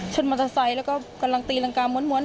มอเตอร์ไซค์แล้วก็กำลังตีรังกาม้วน